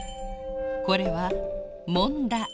これはもんだ「い」。